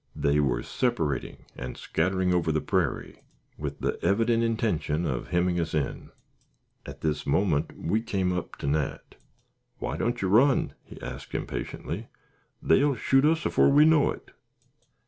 They were separating and scattering over the prairie, with the evident intention of hemming us in. At this moment we came up to Nat. "Why don't you run?" he asked, impatiently. "They'll shoot us all afore we know it."